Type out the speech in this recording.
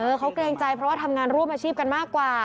เขาเกรงใจเพราะว่าทำงานร่วมอาชีพกันมากกว่า